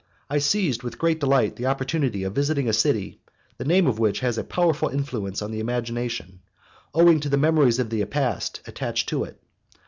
I seized with great delight the opportunity of visiting a city, the name of which has a powerful influence on the imagination, owing to the memories of the past attached to it.